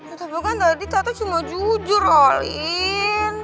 ya tapi kan tadi tata cuma jujur alin